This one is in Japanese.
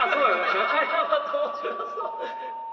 中山と申します。